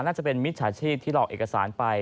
น่าจะเป็นมิจฉาชีพที่หลอกเอกสารไป